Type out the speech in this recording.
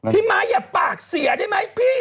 พี่มายอย่าปากเสียได้มั้ยพี่